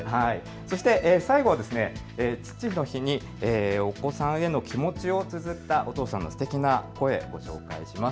最後は父の日にお子さんへの気持ちをつづったお父さんのすてきな声、ご紹介します。